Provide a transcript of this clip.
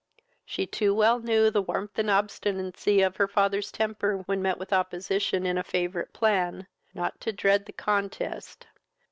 She too well knew the warmth and obstinacy of her father's temper, when he met with opposition in a favourite plan, not to dread the contest.